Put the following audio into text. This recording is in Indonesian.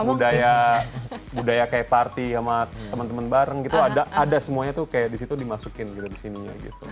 budaya budaya kayak party sama temen temen bareng gitu ada semuanya tuh kayak disitu dimasukin gitu di sini gitu